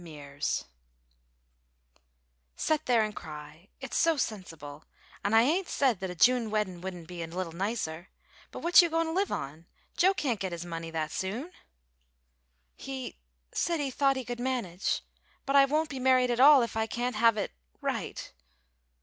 MEARS "Set there and cry; it's so sensible; and I 'ain't said that a June weddin' wouldn't be a little nicer. But what you goin' to live on? Joe can't git his money that soon." "He said he thought he could manage. But I won't be married at all if I can't have it right."